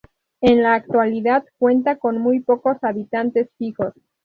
En la actualidad cuenta con muy pocos habitantes fijos.